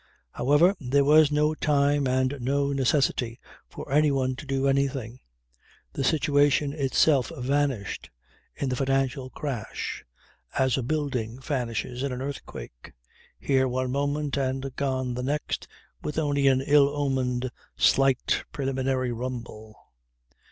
However there was no time and no necessity for any one to do anything. The situation itself vanished in the financial crash as a building vanishes in an earthquake here one moment and gone the next with only an ill omened, slight, preliminary rumble.